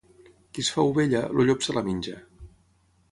Qui es fa ovella, el llop se la menja.